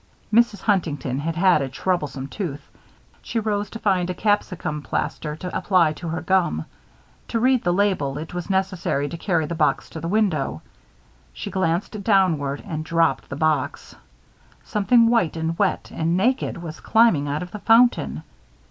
Mrs. Huntington had had a troublesome tooth. She rose to find a capsicum plaster to apply to her gum. To read the label, it was necessary to carry the box to the window. She glanced downward and dropped the box. Something white and wet and naked was climbing out of the fountain.